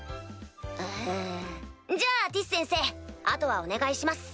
あじゃあティス先生後はお願いします。